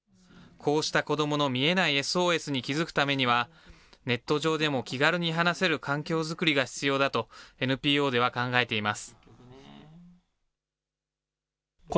こうした子どもの見えないＳＯＳに気付くためには、ネット上でも気軽に話せる環境作りが必要だと、ＮＰＯでは考えています。